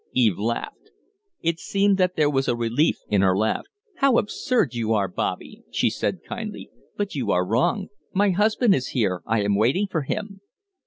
Eve laughed. It seemed that there was relief in her laugh. "How absurd you are, Bobby!" she said, kindly. "But you are wrong. My husband is here I am waiting for him."